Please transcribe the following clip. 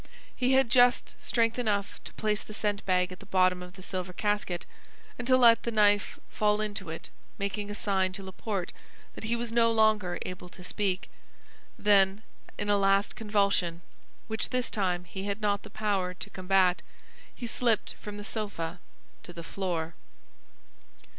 He had just strength enough to place the scent bag at the bottom of the silver casket, and to let the knife fall into it, making a sign to Laporte that he was no longer able to speak; then, in a last convulsion, which this time he had not the power to combat, he slipped from the sofa to the floor.